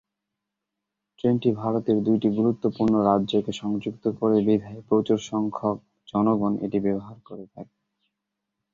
ট্রেনটি ভারতের দুইটি গুরুত্বপূর্ণ রাজ্যকে সংযুক্ত করে বিধায় প্রচুর সংখ্যাক জনগণ এটি ব্যবহার করে থাকে।